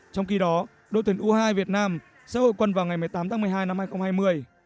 trong khi đó đội tuyển u hai mươi hai việt nam sẽ hội quân vào ngày một mươi tám tháng một mươi hai năm hai nghìn hai mươi